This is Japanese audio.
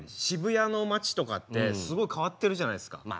渋谷の街とかってすごい変わってるじゃないですか。